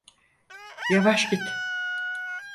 Yavaş git.